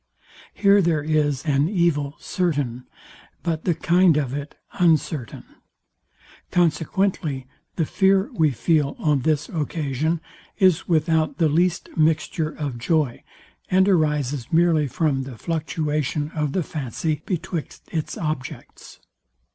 Here there is an evil certain, but the kind of it uncertain. Consequently the fear we feel on this occasion is without the least mixture of joy, and arises merely from the fluctuation of the fancy betwixt its objects.